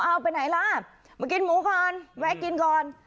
เอาไปไหนล่ะมากินหมูก่อนแวะกินก่อน